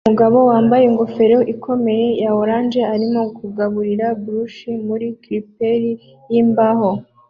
Umugabo wambaye ingofero ikomeye ya orange arimo kugaburira brush muri chipper yimbaho